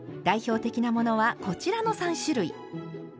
代表的なものはこちらの３種類。